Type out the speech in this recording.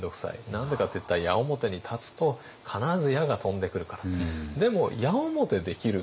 何でかっていったら矢面に立つと必ず矢が飛んでくるから。